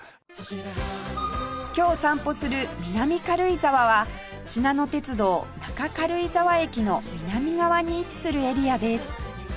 今日散歩する南軽井沢はしなの鉄道中軽井沢駅の南側に位置するエリアです